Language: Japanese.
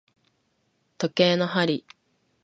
時計の針